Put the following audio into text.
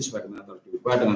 sebagaimana telah dilupa dengan